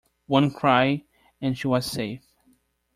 One cry and she was safe.